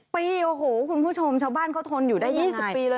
ปีโอ้โหคุณผู้ชมชาวบ้านเขาทนอยู่ได้๒๐ปีเลย